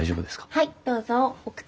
はい。